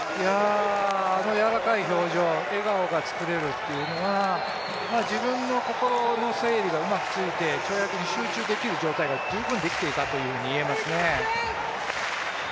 あのやわらかい表情、笑顔が作れるというのは自分の心の整理がうまくついて跳躍に集中できる状態が十分できていたと言えますね。